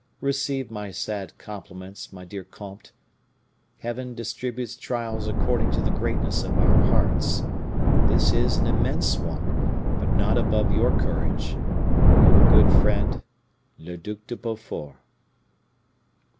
Receive my sad compliments, my dear comte. Heaven distributes trials according to the greatness of our hearts. This is an immense one, but not above your courage. Your good friend, "LE DUC DE BEAUFORT."